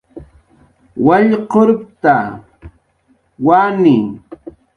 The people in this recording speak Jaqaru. Wallqurpta, wani